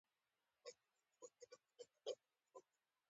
نستعلیق د دوی ښکلی خط دی.